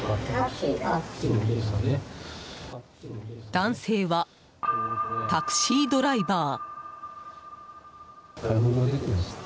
男性はタクシードライバー。